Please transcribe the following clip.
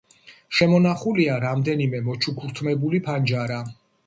შემონახულია რამდენიმე მოჩუქურთმებული ფანჯარა.